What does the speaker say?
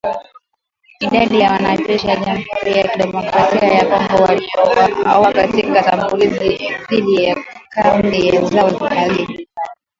Idadi ya wanajeshi wa jamhuri ya kidemokrasia ya Kongo waliouawa katika shambulizi dhidi ya kambi zao haijajulikana